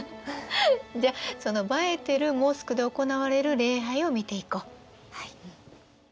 じゃその映えてるモスクで行われる礼拝を見ていこう。